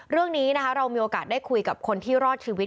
เรื่องนี้นะคะเรามีโอกาสได้คุยกับคนที่รอดชีวิต